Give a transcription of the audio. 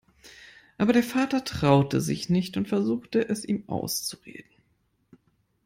Aber der Vater traute sich nicht und versuchte, es ihm auszureden.